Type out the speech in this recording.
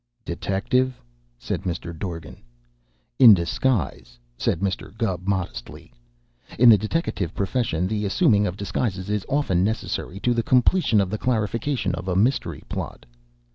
"Detective?" said Mr. Dorgan. "In disguise," said Mr. Gubb modestly. "In the deteckative profession the assuming of disguises is often necessary to the completion of the clarification of a mystery plot."